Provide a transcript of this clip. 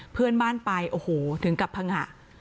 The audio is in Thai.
เพื่อนบ้านไปโอ้โหถึงกับพังงะ